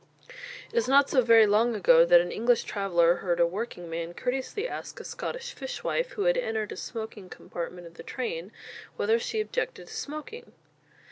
It is not so very long ago that an English traveller heard a working man courteously ask a Scottish fish wife, who had entered a smoking compartment of the train, whether she objected to smoking.